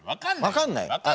分かんないよ。